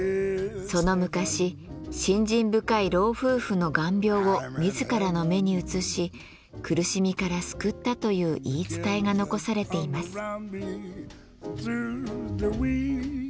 その昔信心深い老夫婦の眼病を自らの目にうつし苦しみから救ったという言い伝えが残されています。